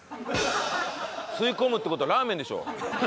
吸い込むって事はラーメンでしょ。